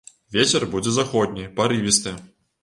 Вецер будзе заходні, парывісты.